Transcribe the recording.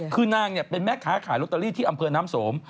คือนางเป็นแม่ค้าขายลอตเตอรี่ที่อำเภอน้ำสม